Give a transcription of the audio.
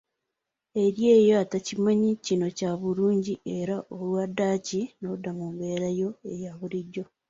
Eri oyo atakimanyi , kino kya bulijjo era olwa ddaaki n'odda mu mbeera yo eya bulijjo.